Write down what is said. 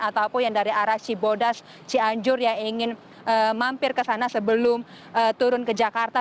ataupun yang dari arah cibodas cianjur yang ingin mampir ke sana sebelum turun ke jakarta